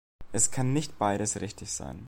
Es kann nicht beides richtig sein.